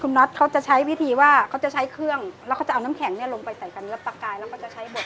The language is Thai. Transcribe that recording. น็อตเขาจะใช้วิธีว่าเขาจะใช้เครื่องแล้วเขาจะเอาน้ำแข็งเนี่ยลงไปใส่กันแล้วปากกายแล้วก็จะใช้บด